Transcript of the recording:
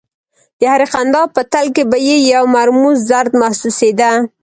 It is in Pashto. د هرې خندا په تل کې به یې یو مرموز درد محسوسېده